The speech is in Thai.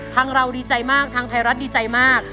เราดีใจมากทางไทยรัฐดีใจมาก